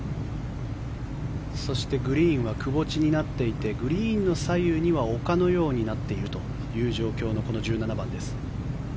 そしてグリーンはくぼ地になっていてグリーンの左右は丘のようになっているという状況の、この１７番です。